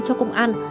cho công an